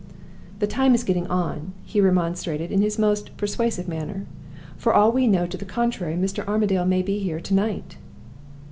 "The time is getting on," he remonstrated, in his most persuasive manner. "For all we know to the contrary, Mr. Armadale may be here to night."